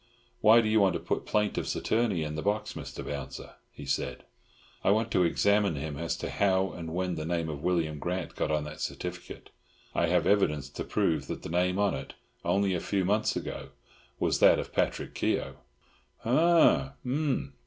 "Why do you want to put plaintiff's attorney in the box, Mr. Bouncer?" he said. "I want to examine him as to how and when the name of William Grant got on that certificate. I have evidence to prove that the name on it, only a few months ago, was that of Patrick Keogh." "Ha, hum!"